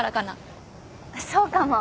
そうかも。